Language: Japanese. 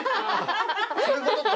そういうことか。